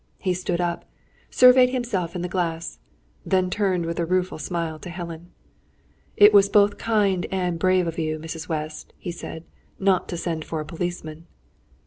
He stood up, surveyed himself in the glass, then turned with a rueful smile to Helen. "It was both kind and brave of you, Mrs. West," he said, "not to send for a policeman."